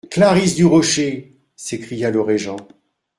Clarice du Rocher !… s'écria le régent.